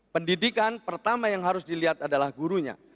pendidikan pertama yang harus dilihat adalah gurunya